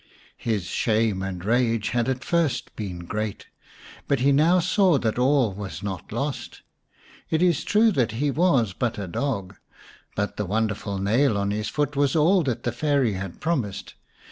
His shame and rage had at first been great, but he now saw that all was not lost. It is true he was but a dog, but the wonderful nail on his foot was all that the 171 The Story of Semai mai xv Fairy had promised.